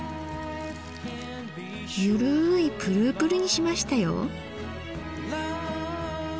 ゆるいプルプルにしましたよ。